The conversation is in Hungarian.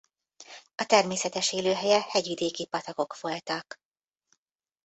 A természetes élőhelye hegyvidéki patakok voltak.